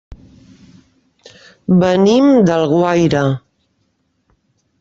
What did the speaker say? Venim d'Alguaire.